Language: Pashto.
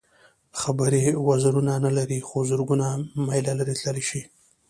خبرې وزرونه نه لري خو زرګونه مېله لرې تللی شي.